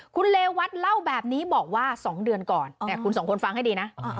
คุณเรวัตเล่าแบบนี้บอกว่า๒เดือนก่อนคุณสองคนฟังให้ดีนะ